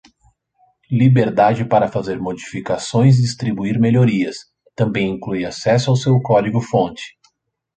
Liberdade para fazer modificações e distribuir melhorias; Também inclui acesso ao seu código-fonte.